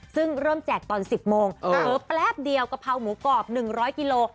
ซึ่งเริ่มแจกตอน๑๐โมงเผลอแป๊บเดียวกะเพราหมูกรอบ๑๐๐กิโล